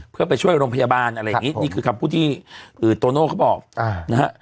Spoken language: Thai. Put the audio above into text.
เพื่อไปช่วยโรงพยาบาลอะไรอย่างนี้นี่คือคำพูดที่โตโน่เขาบอกนะฮะ